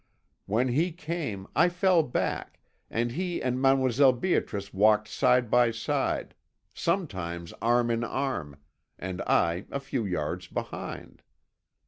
When he came, I fell back, and he and Mdlle. Beatrice walked side by side, sometimes arm in arm, and I a few yards behind.